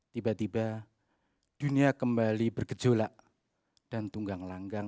tiba tiba dunia kembali bergejolak dan tunggang langgang